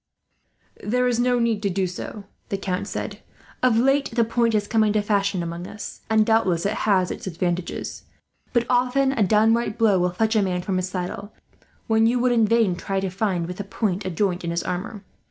"There is no need to do so," the Count said. "Of late the point has come into fashion among us, and doubtless it has advantages; but often a downright blow will fetch a man from his saddle, when you would in vain try to find, with the point, a joint in his armour.